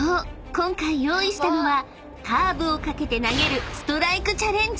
今回用意したのはカーブをかけて投げるストライクチャレンジ］